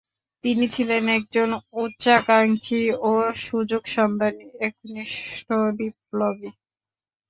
তিনি ছিলেন একজন উচ্চাকাঙ্ক্ষী ও সুযোগসন্ধানী একনিষ্ঠ বিপ্লবী।